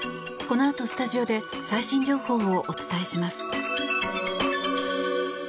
このあとスタジオで最新情報をお伝えします。